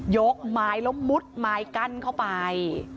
ยกไม้แล้วมุดไม้กั้นเข้าไป